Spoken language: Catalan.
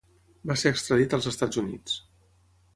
Va ser extradit als Estats Units.